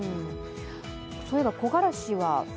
そういえば木枯らしは？